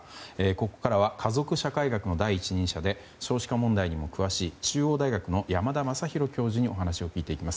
ここからは家族社会学の第一人者で少子化問題にも詳しい中央大学の山田昌弘教授にお話を聞いていきます。